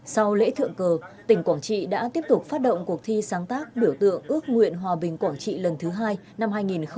sau lễ thượng cờ tỉnh quảng trị đã tiếp tục phát động cuộc thi sáng tác biểu tượng ước nguyện hòa bình quảng trị lần thứ hai năm hai nghìn hai mươi